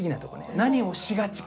何をしがちか。